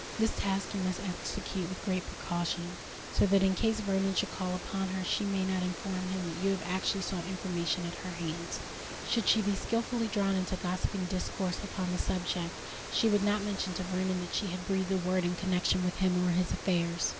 This task you must execute with great precaution, so that in case Vernon should call upon her she may not inform him that you have actually sought information at her hands. Should she be skilfully drawn into gossiping discourse upon the subject, she would not mention to Vernon that she had breathed a word in connexion with him or his affairs.